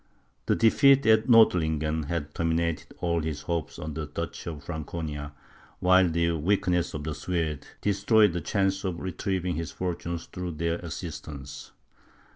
The defeat at Nordlingen had terminated all his hopes on the Duchy of Franconia, while the weakness of the Swedes, destroyed the chance of retrieving his fortunes through their assistance.